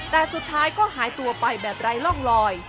แต่สุดท้ายก็หายตัวไปแบบไร้ร่องลอย